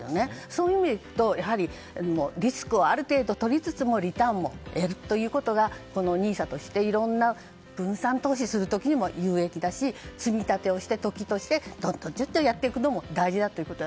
そういうイメージとリスクをある程度とりつつもリターンも得るということがＮＩＳＡというのはいろんな分散投資をする時にも有益だし積み立てをして時として、やっていくのも大事だということ。